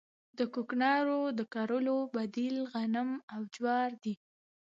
د کوکنارو د کرلو بدیل غنم او جوار دي